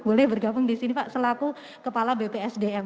boleh bergabung di sini pak selaku kepala bpsdm